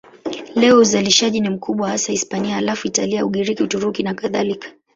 Leo uzalishaji ni mkubwa hasa Hispania, halafu Italia, Ugiriki, Uturuki nakadhalika.